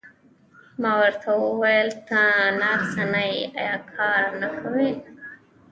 ما ورته وویل: ته نرسه نه یې، ایا کار نه کوې؟